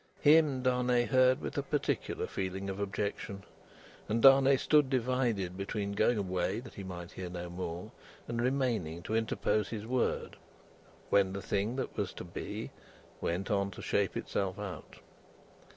Him, Darnay heard with a particular feeling of objection; and Darnay stood divided between going away that he might hear no more, and remaining to interpose his word, when the thing that was to be, went on to shape itself out.